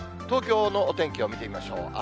東京のお天気を見てみましょう。